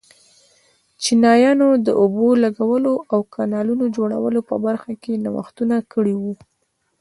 چینایانو د اوبو لګولو او کانالونو جوړولو په برخه کې نوښتونه کړي وو.